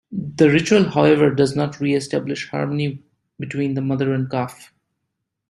The ritual, however, does not re-establish harmony between the mother and calf.